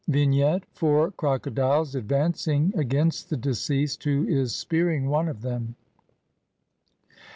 ] Vignette : Four crocodiles advancing against the deceased who is spearing one of them.